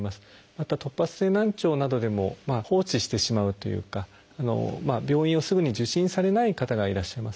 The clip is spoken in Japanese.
また突発性難聴などでも放置してしまうというか病院をすぐに受診されない方がいらっしゃいます。